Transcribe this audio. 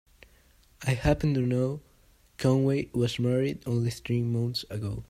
I happen to know Conway was married only three months ago.